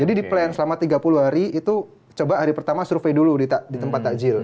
di plan selama tiga puluh hari itu coba hari pertama survei dulu di tempat takjil